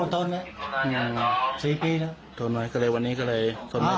ผมต้องนะสี่ปีแล้วก็เลยวันนี้ทนไม่ได้